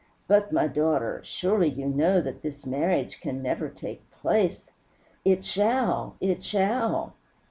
But, my daughter, surely you know that this marriage can never take place " "It shall! It shall!"